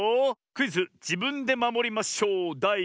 クイズ「じぶんでまもりまショウ」